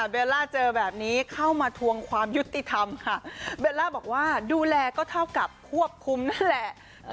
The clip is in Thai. เวลาเจอแบบนี้เข้ามาทวงความยุติธรรมค่ะเบลล่าบอกว่าดูแลก็เท่ากับควบคุมนั่นแหละ